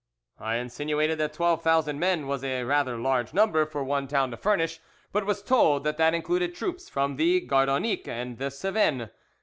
I insinuated that twelve thousand men was rather a large number for one town to furnish, but was told that that included troops from the Gardonninque and the Cevennes.